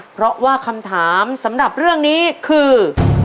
เพราะว่าคำถามสำหรับเรื่องนี้คือ